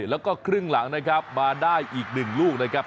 แล้วก็ครึ่งหลังนะครับมาได้อีก๑ลูกนะครับ